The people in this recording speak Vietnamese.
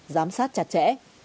giám sát chặt chẽ